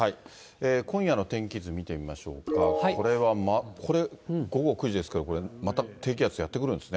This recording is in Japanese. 今夜の天気図見てみましょうか、これは、これ午後９時ですけど、また低気圧やって来るんですね。